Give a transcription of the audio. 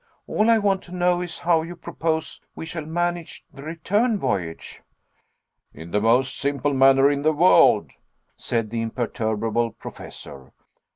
All I want to know is how you propose we shall manage the return voyage?" "In the most simple manner in the world," said the imperturbable Professor.